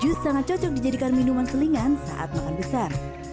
jus sangat cocok dijadikan minuman selingan saat makan besar